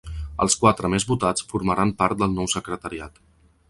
Els quatre més votats formaran part del nou secretariat.